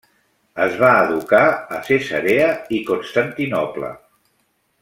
Es va educar a Cesarea i Constantinoble.